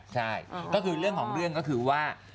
ใช่ก็คือเรื่องของเรื่องก็คือว่า